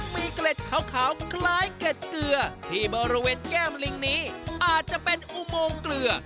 มีเกล็ดขาวคล้ายเกล็ดเกลือที่บริเวณแก้มลิงนี้อาจจะเป็นอุโมงเกลือ